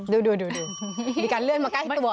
ดูมีการเลื่อนมาใกล้ตัว